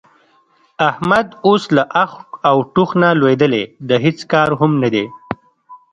احمد اوس له اخ او ټوخ نه لوېدلی د هېڅ کار هم نه دی.